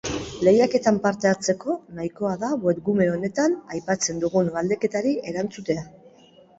Lehiaketan parte hartzeko, nahikoa da webgune honetan aipatzen dugun galdeketari erantzutea.